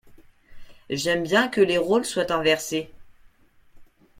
J'aime bien que les rôles soient inversés.